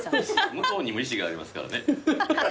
向こうにも意思がありますからね。